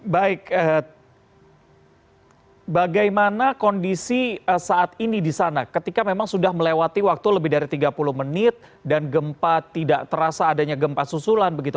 baik bagaimana kondisi saat ini di sana ketika memang sudah melewati waktu lebih dari tiga puluh menit dan gempa tidak terasa adanya gempa susulan begitu